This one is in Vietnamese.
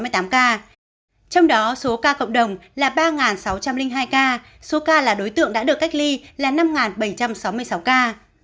trong đó số ca cộng đồng là ba sáu trăm linh hai ca số ca là đối tượng đã được cách ly là năm bảy trăm linh